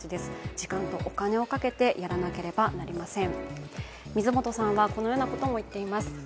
時間とお金をかけてやらなければなりません。